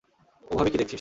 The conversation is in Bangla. ওভাবে কী দেখছিস?